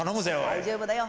大丈夫だよ。